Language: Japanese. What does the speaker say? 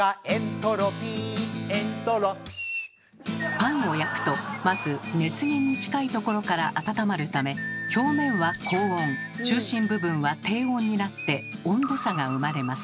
パンを焼くとまず熱源に近いところから温まるため表面は高温中心部分は低温になって温度差が生まれます。